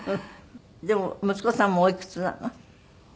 でも息子さんおいくつなの？